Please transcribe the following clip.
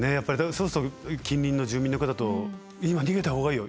そうすると近隣の住民の方と「今逃げた方がいいよ」